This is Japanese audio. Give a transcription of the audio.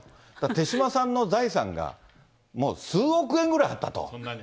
手嶋さんの財産が、もう数億円ぐらいあったと。